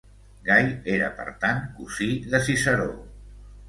Gai era, per tant cosí de Ciceró.